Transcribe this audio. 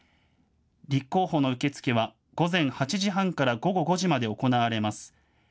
立候補の受け付けは午前８時半から午後５時まで行われます。